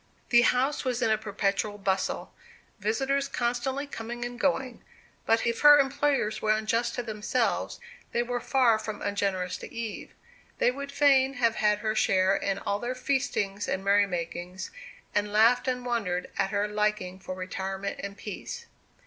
The house was in a perpetual bustle; visitors constantly coming and going. But if her employers were unjust to themselves, they were far from ungenerous to Eve. They would fain have had her share in all their feastings and merry makings, and laughed and wondered at her liking for retirement and peace.